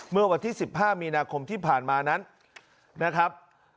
เมื่อวันที่๑๕มีนาคมที่ผ่านมานั้นนะครับ